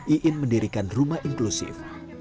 iin mendirikan rumah inklusif